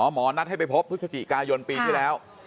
หมอนัดให้ไปพบพฤศจิกายนปีที่แล้ว